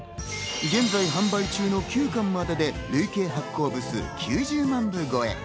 現在販売中の９巻までで累計発行部数９０万部超え。